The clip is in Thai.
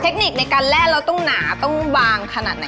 เทคนิคในการแร่เราต้องหนาต้องบางขนาดไหน